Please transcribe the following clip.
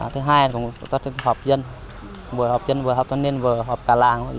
thứ hai là hợp dân vừa hợp dân vừa hợp toàn niên vừa hợp cả làng